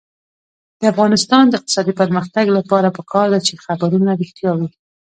د افغانستان د اقتصادي پرمختګ لپاره پکار ده چې خبرونه رښتیا وي.